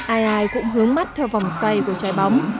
ai ai cũng hướng mắt theo vòng xoay của trái bóng